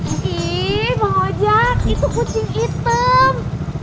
ih bang hojak itu kucing hitam